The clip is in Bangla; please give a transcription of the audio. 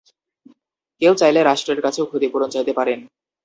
কেউ চাইলে রাষ্ট্রের কাছেও ক্ষতিপূরণ চাইতে পারেন।